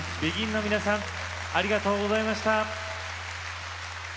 ＢＥＧＩＮの皆さんありがとうございました。